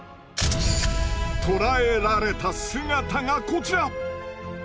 捉えられた姿がこちら！